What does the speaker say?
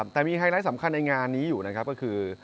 แต่มีไฮไลท์สำคัญในงานนี้อยู่นะครับก็คือ